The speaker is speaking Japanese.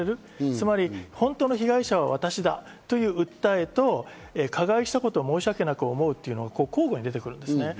つまり本当の被害者は私だという訴えと、加害したことを申しわけなく思うということが交互に出てくる。